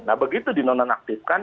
nah begitu di nonaktifkan